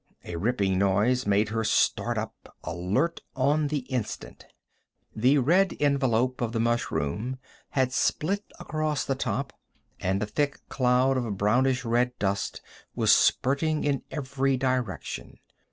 A ripping noise made her start up, alert on the instant. The red envelope of the mushroom had split across the top, and a thick cloud of brownish red dust was spurting in every direction.